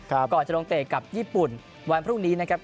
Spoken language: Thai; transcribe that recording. ก่อนจะลงเตะกับญี่ปุ่นวันพรุ่งนี้นะครับ